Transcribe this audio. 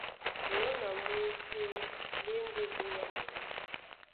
Bulú na mwésé ɓá e ndé búnyá ɓɔɔ́.